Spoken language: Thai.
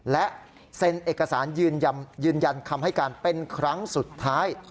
และเซ็นเอกสารยืนยันยืนยันคำให้การเป็นครั้งสุดท้าย